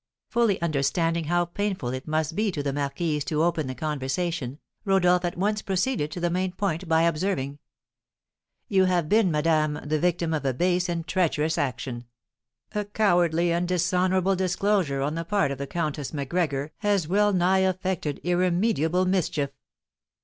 Fully understanding how painful it must be to the marquise to open the conversation, Rodolph at once proceeded to the main point by observing: "You have been, madame, the victim of a base and treacherous action. A cowardly and dishonourable disclosure on the part of the Countess Macgregor has well nigh effected irremediable mischief."